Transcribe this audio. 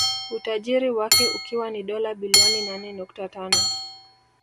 Utajiri wake ukiwa ni dola bilioni nane nukta tano